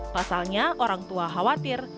pasalnya orang tua khawatir